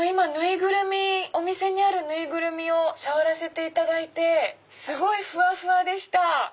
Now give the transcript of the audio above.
今お店にある縫いぐるみを触らせていただいてすごいふわふわでした。